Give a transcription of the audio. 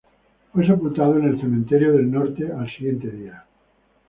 Fue sepultado en el Cementerio del Norte al siguiente día.